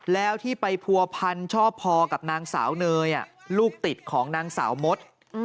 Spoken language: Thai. แล้วที่ไปผัวพันชอบพอกับนางสาวเนยลูกติดของนางสาวมด